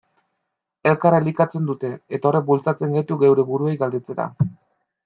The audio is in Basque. Elkar elikatzen dute, eta horrek bultzatzen gaitu geure buruei galdetzera.